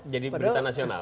jadi berita nasional